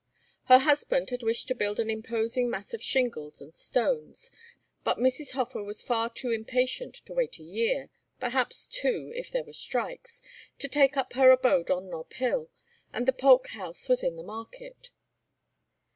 Her husband had wished to build an imposing mass of shingles and stones, but Mrs. Hofer was far too impatient to wait a year perhaps two, if there were strikes to take up her abode on Nob Hill, and the Polk House was in the market.